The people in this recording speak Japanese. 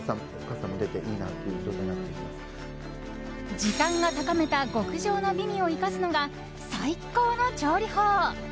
時間が高めた極上の美味を生かすのが最高の調理法。